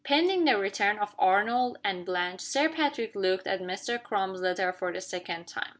Pending the return of Arnold and Blanche, Sir Patrick looked at Mr. Crum's letter for the second time.